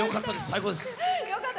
最高です。